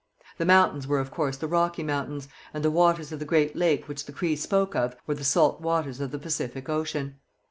The mountains were of course the Rocky Mountains, and the waters of the great lake which the Crees spoke of were the salt waters of the Pacific ocean.